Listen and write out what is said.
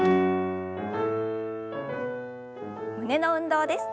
胸の運動です。